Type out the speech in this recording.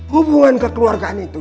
hubungan kekeluargaan itu